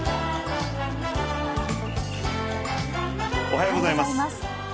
おはようございます。